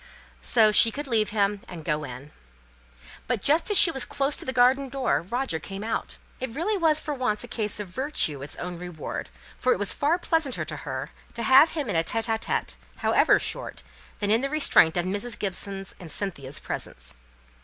So she could leave him, and go in. But just as she was close to the garden door, Roger came out. It really was for once a case of virtue its own reward, for it was far pleasanter to her to have him in a tÉte ł tÉte, however short, than in the restraint of Mrs. Gibson's and Cynthia's presence.